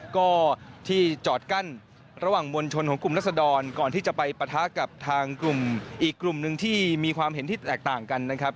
ก็ที่จอดกั้นระหว่างมวลชนของกลุ่มรัศดรก่อนที่จะไปปะทะกับทางกลุ่มอีกกลุ่มหนึ่งที่มีความเห็นที่แตกต่างกันนะครับ